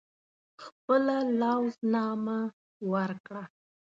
خپله لوز نامه ورکړه.